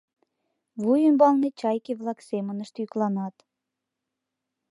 Вуй ӱмбалне чайке-влак семынышт йӱкланат.